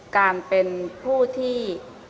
การเป็นผู้ที่